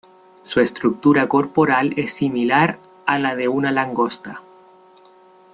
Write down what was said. Su estructura corporal es similar a la de una langosta.